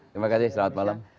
terima kasih selamat malam